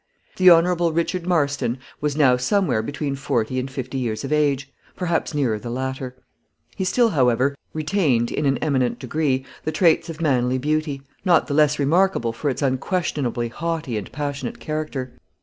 The Hon. Richard Marston was now somewhere between forty and fifty years of age perhaps nearer the latter; he still, however, retained, in an eminent degree, the traits of manly beauty, not the less remarkable for its unquestionably haughty and passionate character.